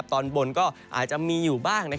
ตอนบนก็อาจจะมีอยู่บ้าง